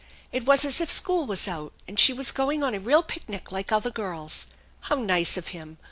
It was as if school was out and she was going on a real picnic like other girls. How nice of him